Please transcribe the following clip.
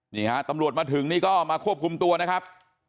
นี่ฮะตำรวจมาถึงนี่ก็มาควบคุมตัวนะครับ